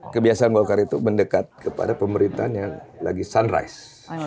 kebiasaan golkar itu mendekat kepada pemerintahan yang lagi sunrise